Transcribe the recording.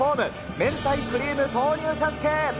明太クリーム豆乳茶漬け。